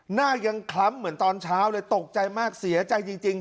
หน้ายังคล้ำเหมือนตอนเช้าเลยตกใจมากเสียใจจริง